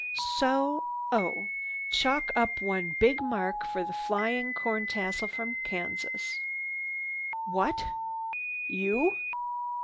So—o! Chalk up one big mark for the Flying Corntassel from Kansas." "What? You?"